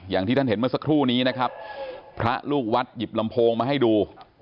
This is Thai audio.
อย่างที่ท่านเห็นเมื่อสักครู่นี้นะครับพระลูกวัดหยิบลำโพงมาให้ดู